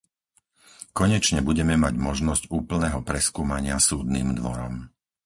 Konečne budeme mať možnosť úplného preskúmania Súdnym dvorom.